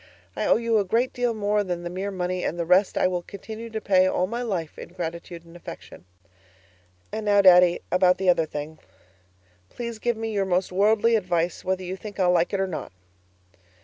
I owe you a great deal more than the mere money, and the rest I will continue to pay all my life in gratitude and affection. And now, Daddy, about the other thing; please give me your most worldly advice, whether you think I'll like it or not.